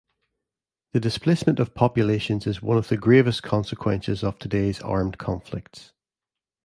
The displacement of populations is one of the gravest consequences of today's armed conflicts.